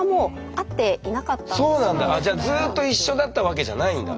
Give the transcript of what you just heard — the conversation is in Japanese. あっじゃあずっと一緒だったわけじゃないんだ。